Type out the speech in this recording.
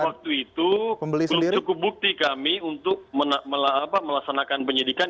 waktu itu belum cukup bukti kami untuk melaksanakan penyidikan